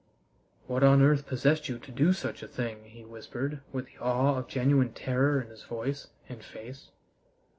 "What on earth possessed you to do such a thing?" he whispered, with the awe of genuine terror in his voice and face.